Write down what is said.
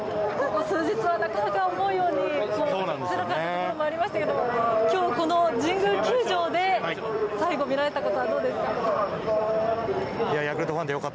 ここ数日は、なかなか思うように打てなかったこともありましたけど今日、この神宮球場で最後見られたことはどうですか。